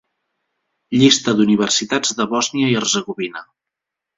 Llista d'universitats de Bòsnia i Herzegovina